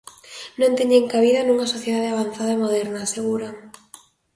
"Non teñen cabida nunha sociedade avanzada e moderna", aseguran.